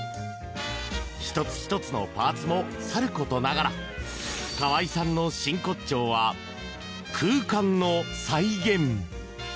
１つ１つのパーツもさることながら河合さんの真骨頂は空間の再現。